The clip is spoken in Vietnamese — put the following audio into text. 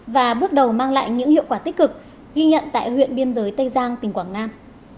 và bước đầu mang lại những hiệu quả tích cực ghi nhận tại huyện biên giới tây giang tỉnh quảng nam